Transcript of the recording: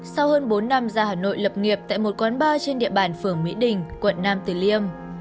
sau hơn bốn năm ra hà nội lập nghiệp tại một quán bar trên địa bàn phường mỹ đình quận nam tử liêm